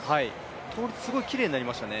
倒立、すごいきれいになりましたね。